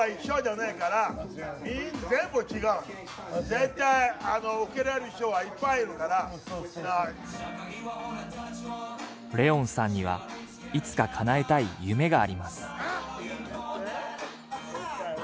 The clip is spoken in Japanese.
絶対受け入れる人はいっぱいいるからそうそうそう怜音さんにはいつか叶えたい夢があります